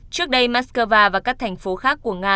trước đây moscow và các thành phố khác của nga